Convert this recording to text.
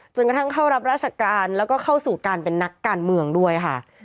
กระทั่งเข้ารับราชการแล้วก็เข้าสู่การเป็นนักการเมืองด้วยค่ะ